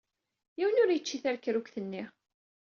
Yiwen ur yečči tarekrukt-nni.